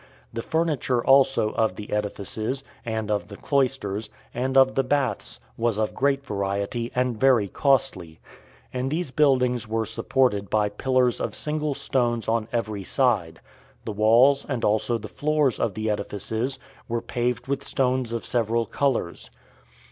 The furniture also of the edifices, and of the cloisters, and of the baths, was of great variety, and very costly; and these buildings were supported by pillars of single stones on every side; the walls and also the floors of the edifices were paved with stones of several colors.